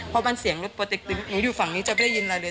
เพราะมันเสียงรถปกติหนูอยู่ฝั่งนี้จะไม่ได้ยินอะไรเลย